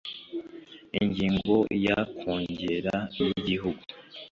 ingingo ya kongere y igihugu